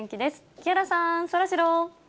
木原さん、そらジロー。